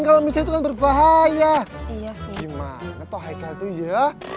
kalau misi berbahaya iya gimana tuh itu ya